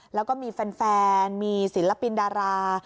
แล้วก็มีแฟนมีศิลปินดารา